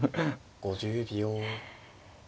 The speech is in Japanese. ５０秒。